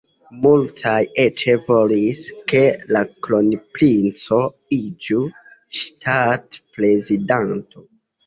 Multaj eĉ volis, ke la kronprinco iĝu ŝtatprezidanto.